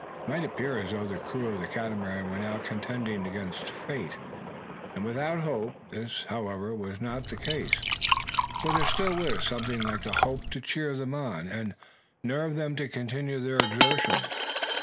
It might appear as though the crew of the Catamaran were now contending against fate, and without hope. This, however, was not the case; for there was still something like a hope to cheer them on, and nerve them to continue their exertions.